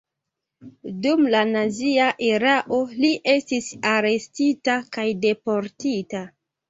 Dum la nazia erao li estis arestita kaj deportita.